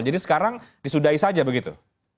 jadi sekarang disudahi saja begitu